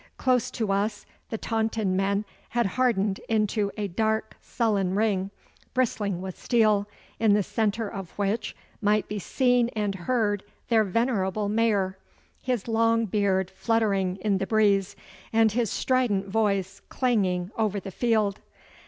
Close to us the Taunton men had hardened into a dark sullen ring, bristling with steel, in the centre of which might be seen and heard their venerable Mayor, his long beard fluttering in the breeze, and his strident voice clanging over the field.